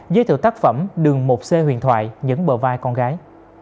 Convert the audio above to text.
giới thiệu tác phẩm đường một c huyền thoại những bờ vai con gái